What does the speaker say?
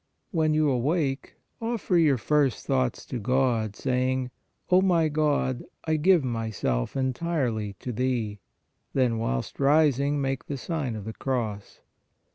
(When you awake, offer your first thoughts to God, saying : O my God I give my self entirely to Thee. Then whilst rising make the sign of the cross.)